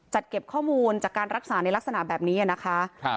เก็บข้อมูลจากการรักษาในลักษณะแบบนี้นะคะ